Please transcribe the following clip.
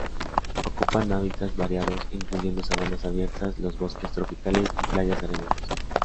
Ocupan hábitats variados incluyendo sabanas abiertas, los bosques tropicales y playas arenosas.